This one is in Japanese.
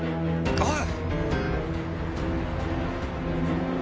おい！